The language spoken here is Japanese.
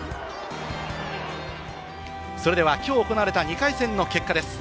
今日行われた２回戦の結果です。